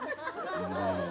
こんばんは。